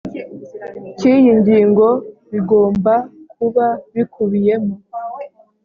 cy iyi ngingo bigomba kuba bikubiyemo